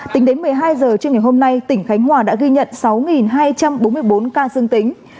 tính đến một mươi hai h trưa ngày hôm nay tỉnh khánh hòa đã ghi nhận sáu hai trăm bốn mươi bốn ca dương tính